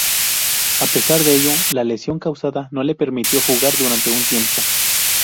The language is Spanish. A pesar de ello, la lesión causada no le permitió jugar durante un tiempo.